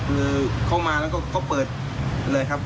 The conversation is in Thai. เค้าเข้ามาแล้วก็เปิดเลยครับ